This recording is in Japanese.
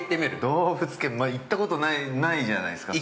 ◆動物系、行ったことないじゃないですか。